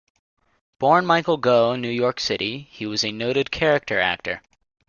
Born Michael Gough in New York City, he was a noted character actor.